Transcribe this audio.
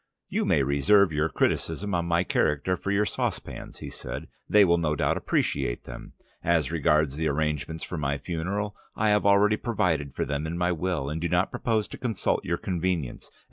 "You may reserve your criticism on my character for your saucepans," he said. "They will no doubt appreciate them. As regards the arrangements for my funeral, I have already provided for them in my will, and do not propose to consult your convenience.